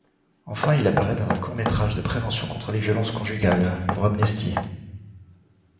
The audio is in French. Enfin, il apparaît dans un court-métrage de prévention contre les violences conjugales, pour Amnesty.